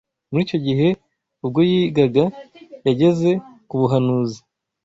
Muri icyo gihe ubwo yigaga yageze ku buhanuzi